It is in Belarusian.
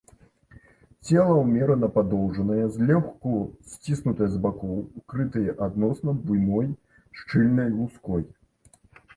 Цела ўмерана падоўжанае, злёгку сціснутае з бакоў, укрытае адносна буйной шчыльнай луской.